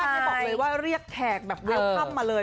ถ้าไม่บอกเลยว่าเรียกแขกแบบเวิลห้ำมาเลย